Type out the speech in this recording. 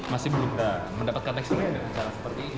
masih belum mendapatkan teksturnya